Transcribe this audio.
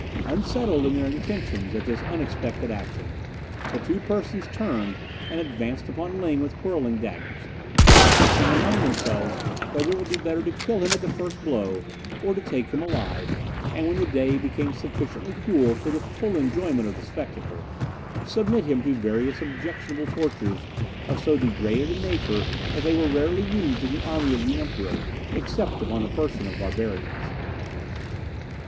Unsettled in their intentions at this unexpected action, the two persons turned and advanced upon Ling with whirling daggers, discussing among themselves whether it would be better to kill him at the first blow or to take him alive, and, when the day had become sufficiently cool for the full enjoyment of the spectacle, submit him to various objectionable tortures of so degraded a nature that they were rarely used in the army of the Emperor except upon the persons of barbarians.